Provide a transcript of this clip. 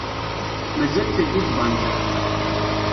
Mazal teldi tbanka?